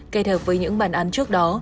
kết hợp với những bàn án trước đó